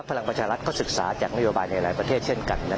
พลังประชารัฐก็ศึกษาจากนโยบายในหลายประเทศเช่นกัน